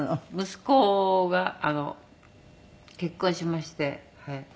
息子が結婚しましてはい。